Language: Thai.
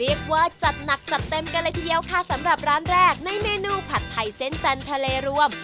เรียกว่าจัดหนักจัดเต็มกันเลยทีเดียวค่ะสำหรับร้านแรกในเมนูผัดไทยเส้นจันทร์ทะเลรวม